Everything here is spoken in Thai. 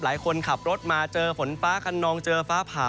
หลายคนขับรถมาเจอฝนฟ้าคันนองเจอฟ้าผ่า